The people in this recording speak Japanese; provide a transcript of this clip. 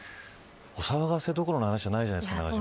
お騒がせどころの話じゃないじゃないですか。